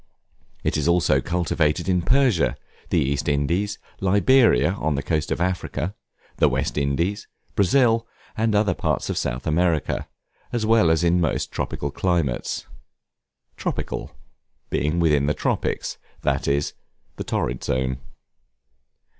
It is also cultivated in Persia, the East Indies, Liberia on the coast of Africa, the West Indies, Brazil and other parts of South America, as well as in most tropical climates. Tropical, being within the tropics, that is, in the Torrid Zone.